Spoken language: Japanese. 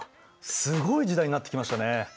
すごい時代になってきましたね。